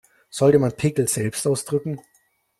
Sollte man Pickel selbst ausdrücken?